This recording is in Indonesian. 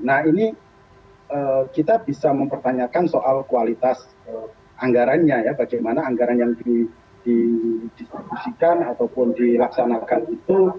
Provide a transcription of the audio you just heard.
nah ini kita bisa mempertanyakan soal kualitas anggarannya ya bagaimana anggaran yang didistribusikan ataupun dilaksanakan itu